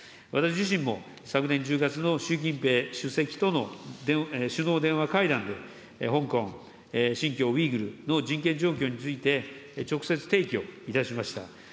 私自身も、昨年１０月の習近平主席との首脳電話会談で、香港、新疆ウイグルの人権状況について直接提起をいたしました。